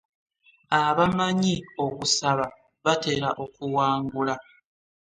Abamanyi okusaba batera okuwangula.